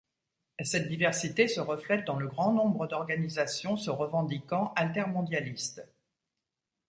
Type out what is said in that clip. Cette diversité se reflète dans le grand nombre d'organisations se revendiquant altermondialistes.